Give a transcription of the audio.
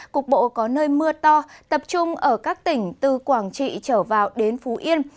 cục bộ có nơi mưa to tập trung ở các tỉnh từ quảng trị trở vào đến phú yên